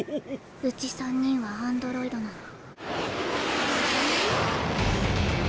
うち３人はアンドロイドなの。